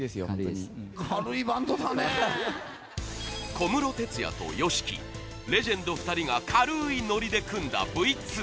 小室哲哉とＹＯＳＨＩＫＩレジェンド２人が軽いノリで組んだＶ２